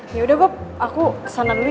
yaudah bob aku kesana dulu ya